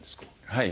はい。